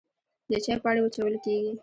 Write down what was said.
د چای پاڼې وچول کیږي